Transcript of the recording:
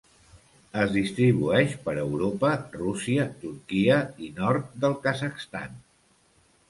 Es distribueix per Europa, Rússia, Turquia i nord del Kazakhstan.